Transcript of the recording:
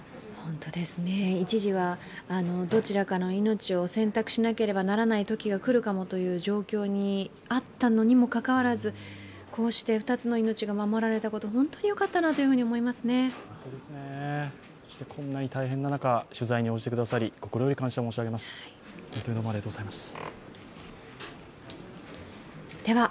一時は、どちらかの命を選択しなければならないときが来るかもという状況にあったのにもかかわらずこうして２つの命が守られたこと、本当によかったなと思いますね。